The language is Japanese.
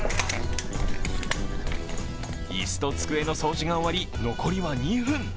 椅子と机の掃除が終わり残りは２分。